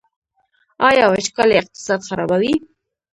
آیا وچکالي اقتصاد خرابوي؟